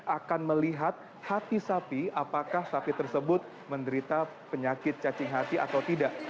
akan melihat hati sapi apakah sapi tersebut menderita penyakit cacing hati atau tidak